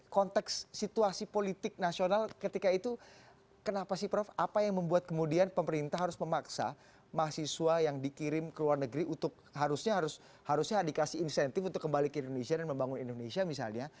konteks situasi politik nasional ketika itu kenapa sih prof apa yang membuat kemudian pemerintah harus memaksa mahasiswa yang dikirim ke luar negeri untuk harusnya dikasih insentif untuk kembali ke indonesia dan membangun indonesia misalnya